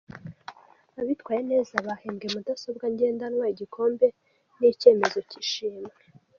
Abitwaye neza bahembwe mudasobwa ngendanwa, igikombe na icyemezo cy’ishimwe.